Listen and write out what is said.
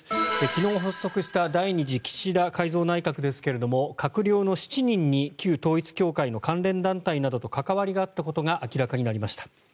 昨日発足した第２次岸田改造内閣ですが閣僚の７人に旧統一教会の関連団体などと関わりがあったことが明らかになりました。